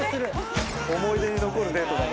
思い出に残るデートだね